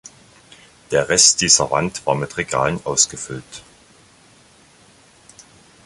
Der Rest dieser Wand war mit Regalen ausgefüllt.